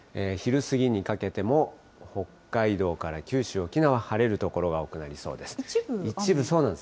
昼過ぎにかけても、北海道から九州、沖縄、晴れる所が多くなりそ一部雨？